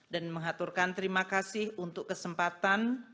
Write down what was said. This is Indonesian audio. dan mengaturkan terima kasih untuk kesempatan